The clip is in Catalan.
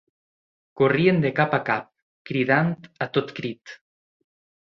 Corrien de cap a cap, cridant a tot crit